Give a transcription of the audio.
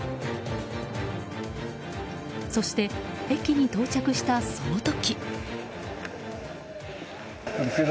そして駅に到着した、その時！